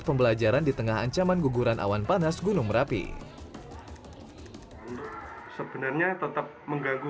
pembelajaran di tengah ancaman guguran awan panas gunung merapi sebenarnya tetap mengganggu